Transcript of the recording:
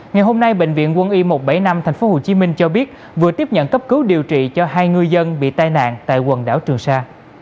ngày hôm nay bệnh viện quân y một trăm bảy mươi năm tp hcm cho biết vừa tiếp nhận cấp cứu điều trị cho hai ngư dân bị tai nạn tại quần đảo trường sa